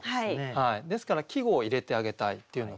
ですから季語を入れてあげたいっていうのと